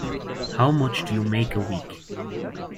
How much do you make a week?